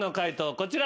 こちら。